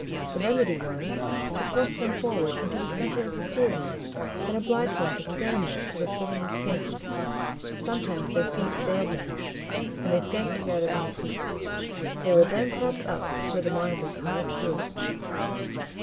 The remedy was, to thrust them forward into the centre of the schoolroom, and oblige them to stand there till the sermon was finished. Sometimes their feet failed them, and they sank together in a heap; they were then propped up with the monitors' high stools.